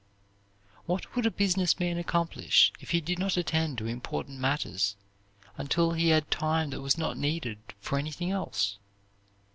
What would a business man accomplish if he did not attend to important matters until he had time that was not needed for anything else?